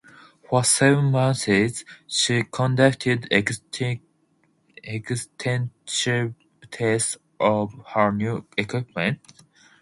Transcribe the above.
For seven months she conducted extensive tests of her new equipment.